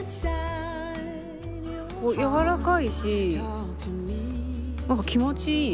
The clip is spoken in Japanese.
柔らかいし何か気持ちいい。